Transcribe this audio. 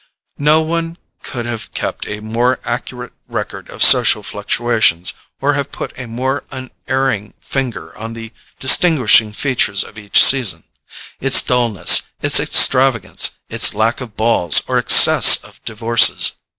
No one could have kept a more accurate record of social fluctuations, or have put a more unerring finger on the distinguishing features of each season: its dulness, its extravagance, its lack of balls or excess of divorces.